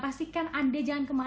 pastikan di atsianandindonesiatv